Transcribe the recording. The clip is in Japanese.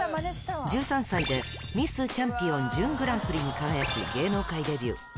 １３歳でミスチャンピオン準グランプリに輝き、芸能界デビュー。